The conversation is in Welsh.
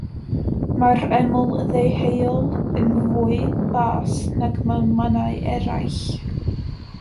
Mae'r ymyl ddeheuol yn fwy bas nag mewn mannau eraill.